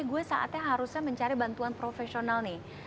gue saatnya harusnya mencari bantuan profesional nih